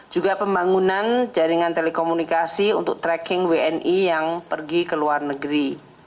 juga pembangunan jaringan telekomunikasi untuk tracking wni yang pergi ke luar negeri